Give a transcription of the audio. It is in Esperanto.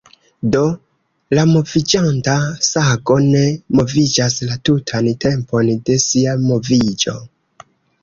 Do, la moviĝanta sago ne moviĝas la tutan tempon de sia moviĝo".